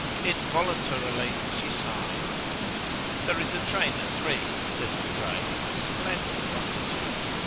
Involuntarily she sighed. "There is a train at three," said De Craye, with splendid promptitude.